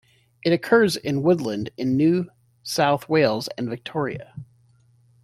It occurs in woodland in New South Wales and Victoria.